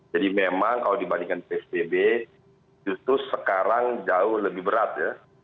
jadi memang kalau dibandingkan psbb justru sekarang jauh lebih berat